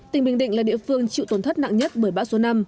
tỉnh bình định là địa phương chịu tổn thất nặng nhất bởi bão số năm